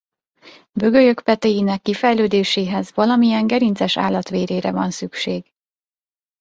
Bögölyök petéinek kifejlődéséhez valamilyen gerinces állat vérére van szükség.